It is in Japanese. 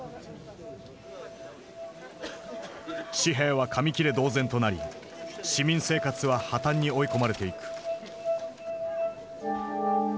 紙幣は紙切れ同然となり市民生活は破綻に追い込まれていく。